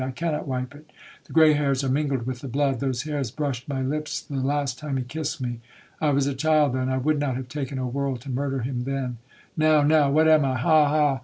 I cannot wipe it, the grey hairs are mingled with the blood,—those hairs brushed my lips the last time he kissed me. I was a child then. I would not have taken a world to murder him then, now,—now, what am I? Ha!